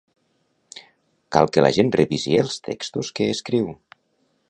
Cal que la gent revisi els textos que escriu.